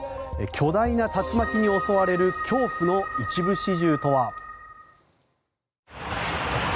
巨大な竜巻に襲われる恐怖の一部始終とは。